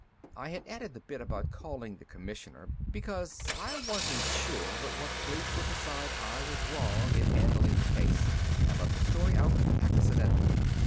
I had added the bit about calling the Commissioner because I wasn't sure but what Kleek would decide I was wrong in handling the case and let the story out "accidentally."